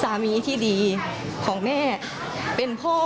และก็มีการกินยาละลายริ่มเลือดแล้วก็ยาละลายขายมันมาเลยตลอดครับ